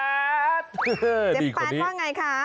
เจ็บแปดว่าไงคะ